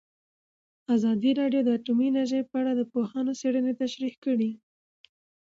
ازادي راډیو د اټومي انرژي په اړه د پوهانو څېړنې تشریح کړې.